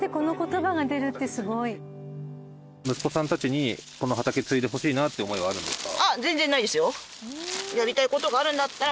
息子さんたちにこの畑継いでほしいなって思いはあるんですか？